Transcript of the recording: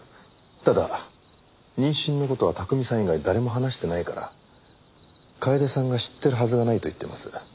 ただ妊娠の事は巧さん以外誰にも話してないから楓さんが知ってるはずがないと言ってます。